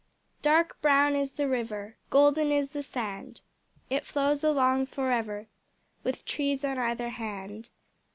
Dark brown is the river, Golden is the sand. It flows along for ever, With trees on either hand.